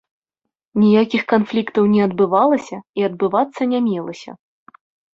Ніякіх канфліктаў не адбывалася і адбывацца не мелася.